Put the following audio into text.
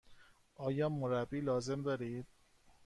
آیا مربی لازم دارید؟